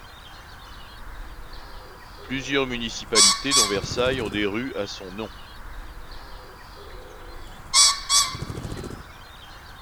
Plusieurs municipalités dont Versailles ont des rues à son nom.